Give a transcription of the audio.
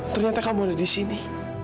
ternyata kamu ada disini